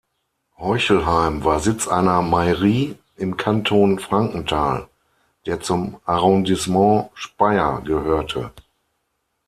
Heuchelheim war Sitz einer Mairie im Kanton Frankenthal, der zum Arrondissement Speyer gehörte.